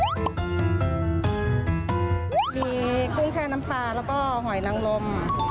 มีกุ้งแช่น้ำปลาแล้วก็หอยนังลม